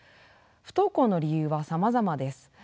不登校の理由はさまざまです。